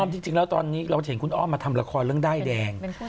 จริงแล้วตอนนี้เราจะเห็นคุณอ้อมมาทำละครเรื่องด้ายแดง